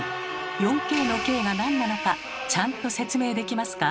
４Ｋの「Ｋ」がなんなのかちゃんと説明できますか？